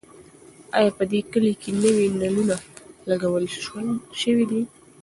ایا په دې کلي کې نوي نلونه لګول شوي دي؟